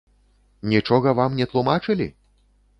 Нічога вам не тлумачылі?